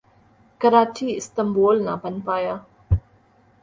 Karachi Istanbul نہ بن پایا